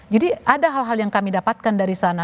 jadi ada hal hal yang kami dapatkan dari sana